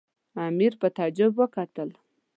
امیر په تعجب وکتل.